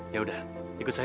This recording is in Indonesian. yaudah ikut saya yuk